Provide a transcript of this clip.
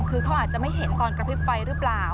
คือเขาอาจจะไม่เห็นตอนกระพริบไฟหรือเปล่า